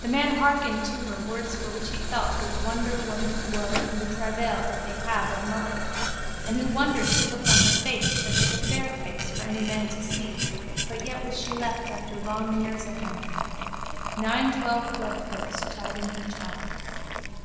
The man hearkened to her words for he felt with wonder women's woe in the travail that they have of motherhood and he wondered to look on her face that was a fair face for any man to see but yet was she left after long years a handmaid. Nine twelve bloodflows chiding her childless.